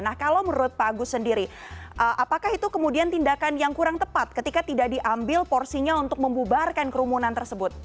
nah kalau menurut pak agus sendiri apakah itu kemudian tindakan yang kurang tepat ketika tidak diambil porsinya untuk membubarkan kerumunan tersebut